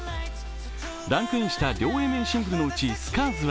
ランクインした両Ａ面シングルの内、「Ｓｃａｒｓ」は